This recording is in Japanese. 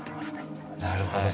なるほど。